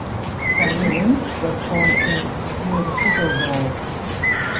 Van Leeuwen was born in Heerhugowaard.